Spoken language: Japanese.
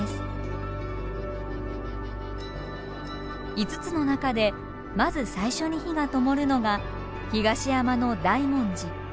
５つの中でまず最初に火がともるのが東山の「大文字」。